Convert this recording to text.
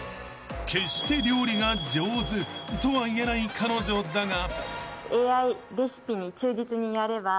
［決して料理が上手とは言えない彼女だが］